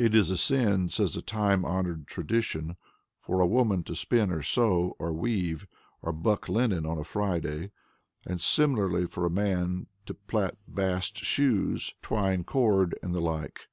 It is a sin, says a time honored tradition, for a woman to sew, or spin, or weave, or buck linen on a Friday, and similarly for a man to plait bast shoes, twine cord, and the like.